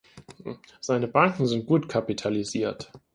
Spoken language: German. Seine Banken sind gut kapitalisiert.